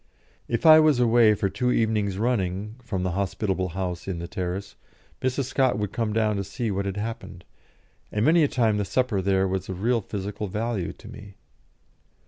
If I was away for two evenings running from the hospitable house in the terrace, Mrs. Scott would come down to see what had happened, and many a time the supper there was of real physical value to me.